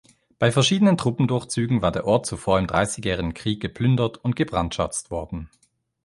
Bei verschiedenen Truppendurchzügen war der Ort zuvor im Dreißigjährigen Krieg geplündert und gebrandschatzt worden.